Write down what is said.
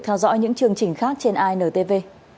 hãy tiếp tục theo dõi những chương trình khác trên intv